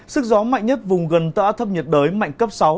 sức gió mạnh nhất vùng gần tựa át thấp nhiệt đới mạnh cấp sáu